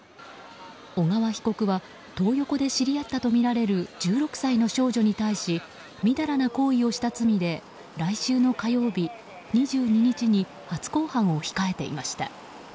小川被告はトー横で知り合ったとみられる１６歳の少女に対しみだらな行為をした罪で来週の火曜日、２２日に初公判を控えていました。